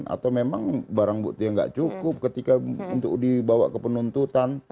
atau memang barang bukti yang tidak cukup ketika untuk dibawa ke penuntutan